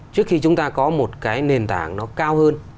trước khi chúng ta có một cái nền tảng nó cao hơn